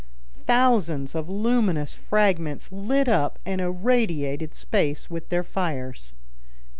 Thousands of luminous fragments lit up and irradiated space with their fires.